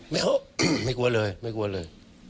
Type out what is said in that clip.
ไม่กลัวเลยไม่กลัวเลย